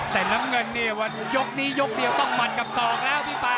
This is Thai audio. แต่น้ำเงินนี่วันยกนี้ยกเดียวต้องมันกับศอกแล้วพี่ป๊า